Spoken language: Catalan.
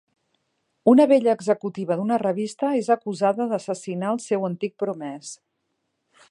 Una bella executiva d'una revista és acusada d'assassinar el seu antic promès.